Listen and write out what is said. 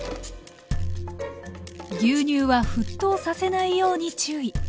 牛乳は沸騰させないように注意。